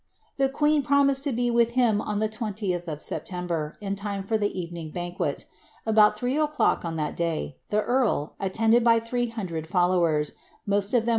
The queen promised to be with him on Ith of September, in time for the evening banquet About three k on that day, the earl, attended by three hundred followers, most m.